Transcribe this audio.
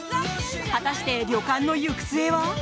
果たして旅館の行く末は。